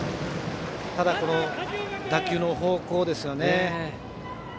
ただ、打球方向ですね。